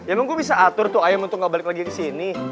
emang gue bisa atur tuh ayam untuk gak balik lagi kesini